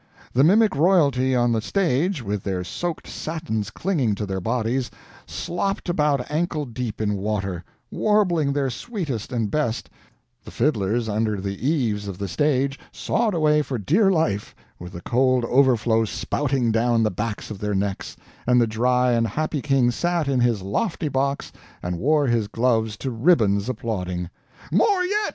The mimic royalty on the stage, with their soaked satins clinging to their bodies, slopped about ankle deep in water, warbling their sweetest and best, the fiddlers under the eaves of the stage sawed away for dear life, with the cold overflow spouting down the backs of their necks, and the dry and happy King sat in his lofty box and wore his gloves to ribbons applauding. "More yet!"